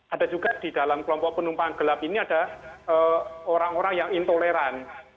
ada juga di dalam kelompok penumpang gelap ini ada orang orang yang intoleran